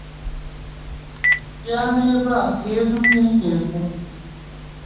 The two collective agreements have major differences.